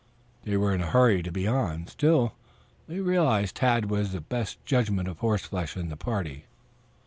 They were in a hurry to be on, still, they realized that Tad was the best judge of horseflesh in the party.